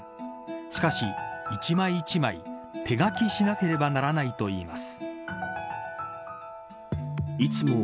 しかし、一枚一枚手書きしなければならないといいます。